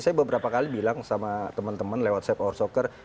saya beberapa kali bilang sama teman teman lewat safe our soccer